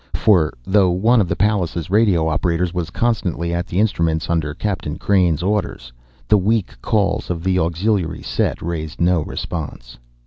For, though one of the Pallas' radio operators was constantly at the instruments under Captain Crain's orders, the weak calls of the auxiliary set raised no response.